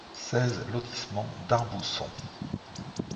seize lotissement Darbousson